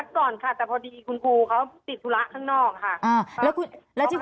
ตอนที่จะไปอยู่โรงเรียนจบมไหนคะ